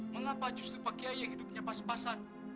mengapa justru pak kiai hidupnya pas pasan